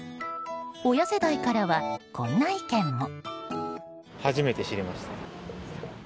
親世代からは、こんな意見も。